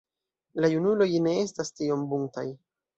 La junuloj ne estas tiom buntaj.